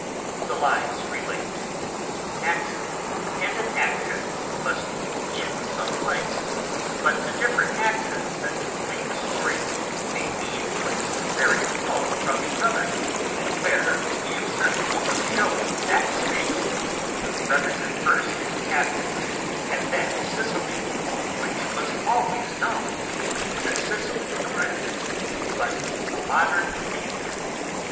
The lines relate to some action, and an action must be in some place; but the different actions that complete a story may be in places very remote from each other; and where is the absurdity of allowing that space to represent first Athens, and then Sicily, which was always known to be neither Sicily nor Athens, but a modern theatre?